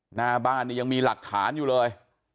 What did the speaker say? หน้าบ้านนี่ยังมีหลักฐานอยู่เลย